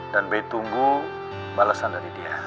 dan bey tunggu balasan dari dia